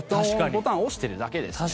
ボタンを押してるだけですね。